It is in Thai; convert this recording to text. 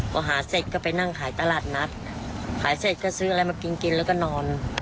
พอหาเสร็จก็ไปนั่งขายตลาดนัดขายเสร็จก็ซื้ออะไรมากินกินแล้วก็นอน